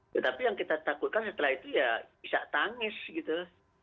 tetapi yang kita takutkan setelah itu ya bisa tangis gitu